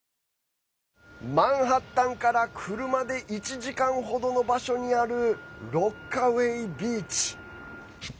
マンハッタンから車で１時間程の場所にあるロッカウェイ・ビーチ。